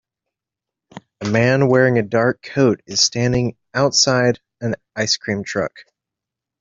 A man wearing a dark coat is standing outside an ice cream truck.